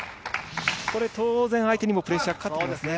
当然、相手にもプレッシャーかかってきますよね。